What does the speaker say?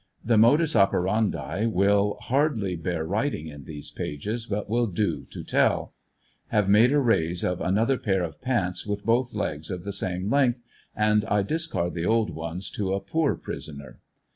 The modus operandi will hardly bear writing in these pages, but will do to tell. Have made a raise of another pair of pants with both legs of the same length, and I discard the old ones to a ''poor" prisoner.